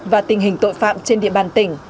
và tình hình tội phạm trên địa bàn tỉnh